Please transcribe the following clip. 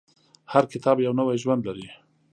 هر کتاب یو نوی ژوند لري.